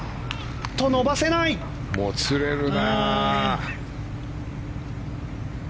もつれるな。